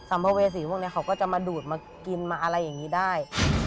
ภเวษีพวกนี้เขาก็จะมาดูดมากินมาอะไรอย่างนี้ได้